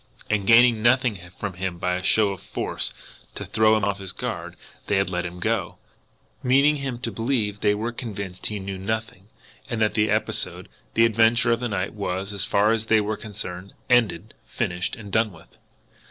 And, gaining nothing from him by a show of force, to throw him off his guard, they had let him go meaning him to believe they were convinced he knew nothing, and that the episode, the adventure of the night, was, as far as they were concerned, ended, finished, and done with!